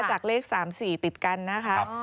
จากเลข๓๔ติดกันนะคะ